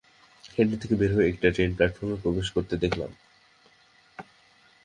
Canteen থেকে বের হয়ে একটা ট্রেন প্ল্যাটফর্মে প্রবেশ করতে দেখলাম।